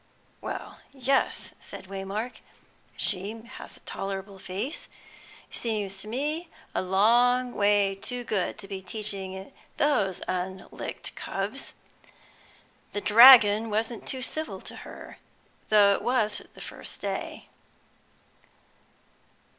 '" "Well, yes," said Waymark, "she has a tolerable face; seems to me a long way too good to be teaching those unlicked cubs. The dragon wasn't too civil to her, though it was the first day."